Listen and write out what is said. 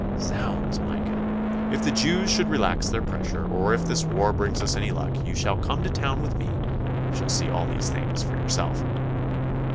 Zounds, Micah! If the Jews should relax their pressure, or if this war brings us any luck, you shall come to town with me and shall see all these things for yourself.